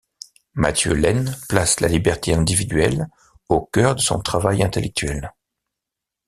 Mathieu Laine place la liberté individuelle au cœur de son travail intellectuel.